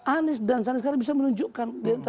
anies dan sandi sekarang bisa menunjukkan